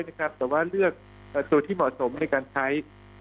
แต่ว่าเลือกตัวที่เหมาะสมในการใช้